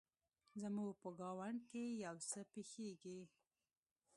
زموږ په ګاونډ کې يو څه پیښیږي